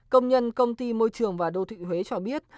công nhân công ty môi trường và đô thị huế cho biết